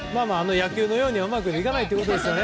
野球のようにはうまくいかないということですね。